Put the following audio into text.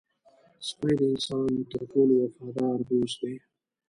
سپي د انسان تر ټولو وفادار دوست دی.